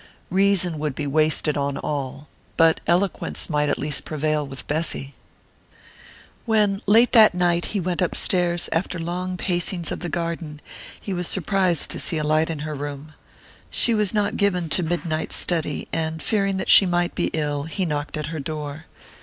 Reason would be wasted on all; but eloquence might at least prevail with Bessy.... When, late that night, he went upstairs after long pacings of the garden, he was surprised to see a light in her room. She was not given to midnight study, and fearing that she might be ill he knocked at her door.